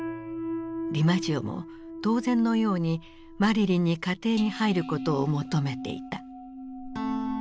ディマジオも当然のようにマリリンに家庭に入ることを求めていた。